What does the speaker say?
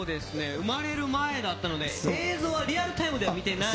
生まれる前だったので、映像はリアルタイムでは見てない。